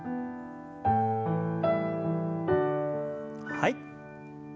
はい。